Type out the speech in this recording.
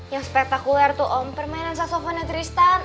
yang spektakuler tuh om permainan sasovona tristan